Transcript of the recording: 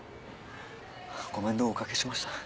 ご面倒をお掛けしました。